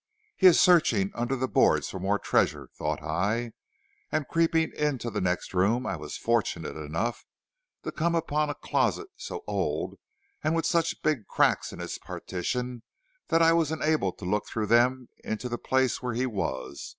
'He is searching under the boards for more treasure,' thought I, and creeping into the next room I was fortunate enough to come upon a closet so old and with such big cracks in its partition that I was enabled to look through them into the place where he was.